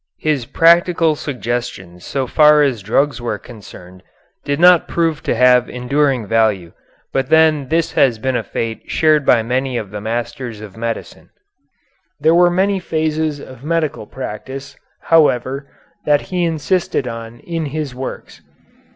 His practical suggestions so far as drugs were concerned did not prove to have enduring value, but then this has been a fate shared by many of the masters of medicine. There were many phases of medical practice, however, that he insisted on in his works.